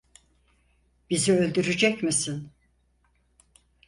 Bizi öldürecek misin?